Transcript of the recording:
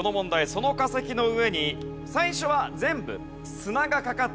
その化石の上に最初は全部砂がかかってて全く見えていません。